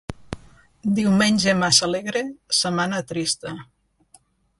Diumenge massa alegre, setmana trista.